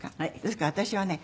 ですから私はね